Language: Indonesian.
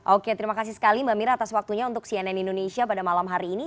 oke terima kasih sekali mbak mira atas waktunya untuk cnn indonesia pada malam hari ini